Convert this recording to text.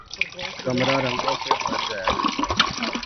کمرا رنگوں سے بھر جایا کرتا تھا